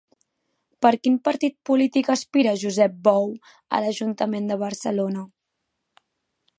Per quin partit polític aspira Josep Bou a l'ajuntament de Barcelona?